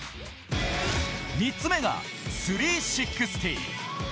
３つ目が３６０。